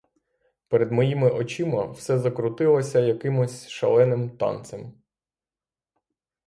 Перед моїми очима все закрутилося якимось шаленим танцем.